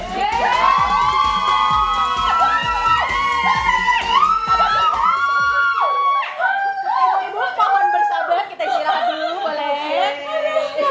tengah tengah pahlawan bersahabat kita istirahat dulu boleh